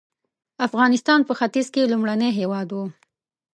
افغانستان په ختیځ کې لومړنی هېواد و.